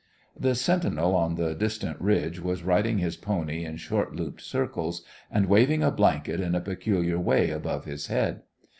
The sentinel on the distant ridge was riding his pony in short looped circles and waving a blanket in a peculiar way above his head.